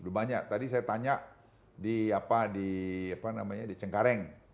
banyak tadi saya tanya di cengkareng